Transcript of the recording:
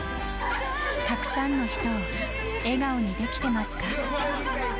たくさんの人を笑顔にできてますか？